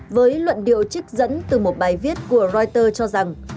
với luận điệu trích dẫn từ một bài viết của reuters cho rằng